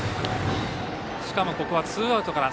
しかも、ここはツーアウトから。